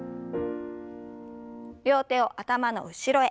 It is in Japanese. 両手を頭の後ろへ。